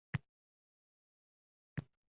Jismini.